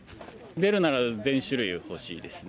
出るなら全種類ほしいですね。